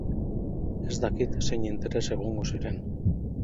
Ez dakit zein interes egongo ziren.